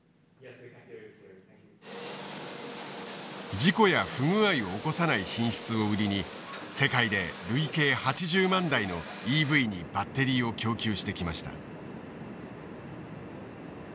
事故や不具合を起こさない品質を売りに世界で累計８０万台のＥＶにバッテリーを供給してきました。